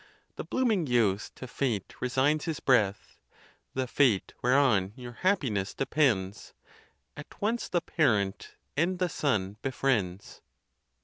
The blooming youth to fate resigns his breath: The fate, whereon your happiness depends, At once the parent and the son befriends.